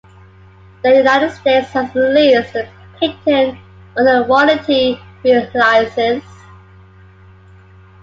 The United States has released the patent under a royalty-free license.